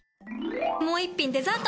もう一品デザート！